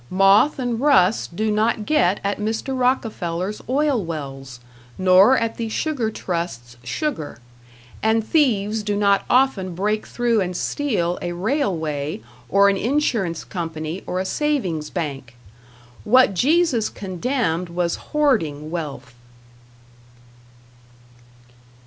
Moth and rust do not get at Mr. Rockefeller's oil wells, nor at the Sugar Trust's sugar, and thieves do not often break through and steal a railway or an insurance company or a savings bank. What Jesus condemned was hoarding wealth.